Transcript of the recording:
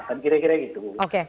kan kira kira gitu